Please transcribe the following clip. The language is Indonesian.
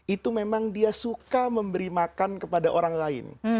itu memang dia suka memberi makan kepada orang lain